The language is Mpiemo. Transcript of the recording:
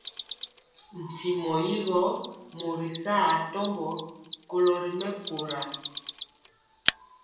Ntimɔ yi gɔ mori saa atɔmbɔ kolo ri mɛkóra.